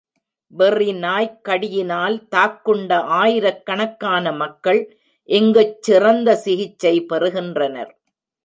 வெறி நாய்க் கடியினால் தாக்குண்ட ஆயிரக் கணக்கான மக்கள் இங்குச் சிறந்த சிகிச்சை பெறுகின்றனர்.